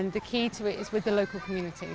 dan kuncinya adalah dengan komunitas lokal